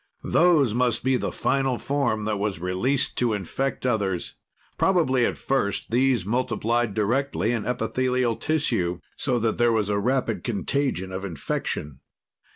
Those must be the final form that was released to infect others. Probably at first these multiplied directly in epithelial tissue, so that there was a rapid contagion of infection.